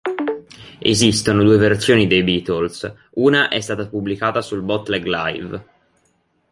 Esistono due versioni dei Beatles: una è stata pubblicata sul "bootleg" "Live!